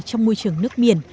trong môi trường nước biển